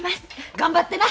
頑張ってな！